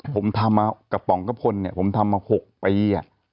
ผมทำมากระป๋องกระปุ่นผมทำมา๖ประเยษ